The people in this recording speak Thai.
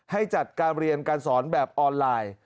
ให้จัดการเรียนการสอนแบบออนไลน์